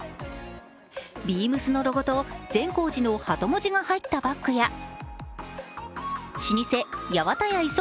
ＢＥＡＭＳのロゴと善光寺の鳩文字が入ったバッグや老舗・八幡屋礒